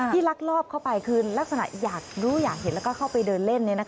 ลักลอบเข้าไปคือลักษณะอยากรู้อยากเห็นแล้วก็เข้าไปเดินเล่น